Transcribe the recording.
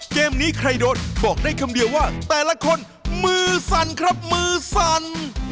เกมนี้ใครโดนบอกได้คำเดียวว่าแต่ละคนมือสั่นครับมือสั่น